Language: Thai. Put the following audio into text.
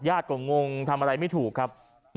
ก็งงทำอะไรไม่ถูกครับ